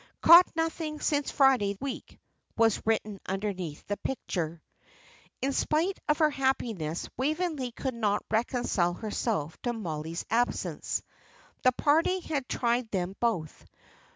"Caught nothing since Friday week," was written underneath the picture. In spite of her happiness, Waveney could not reconcile herself to Mollie's absence. The parting had tried them both.